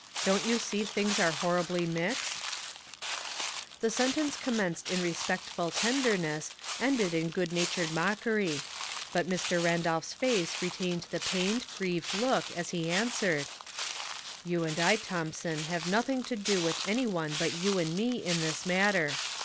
Don't you see things are horribly mixed ?" The sentence commenced in respectful tender ness ended in good humored mockery ; but IMr. Randolph's face retained the pained, grieved look as he answered, —" You and I, Thomson, have nothing to do with any one but you and me in this matter.